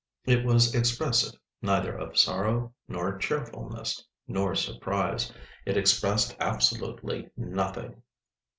It was expressive neither of sorrow, nor cheerfulness, nor surprise—it expressed absolutely nothing!